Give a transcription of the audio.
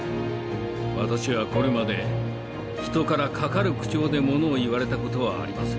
「私はこれまで人からかかる口調で物を言われた事はありません」。